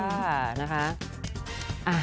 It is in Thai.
ค่ะนะคะ